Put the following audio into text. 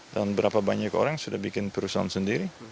dan berapa banyak orang sudah bikin perusahaan sendiri